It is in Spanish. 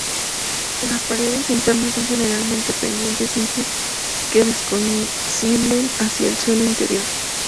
Las paredes internas son generalmente pendientes simples que descienden hacia el suelo interior.